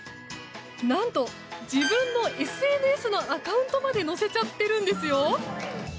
何と自分のＳＮＳのアカウントまで載せちゃってるんですよ。